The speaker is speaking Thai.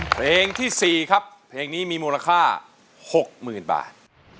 เพลงที่๔ครับเพลงนี้มีมูลค่า๖๐๐๐บาท